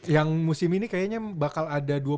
yang musim ini kayaknya bakal ada